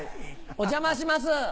お邪魔します。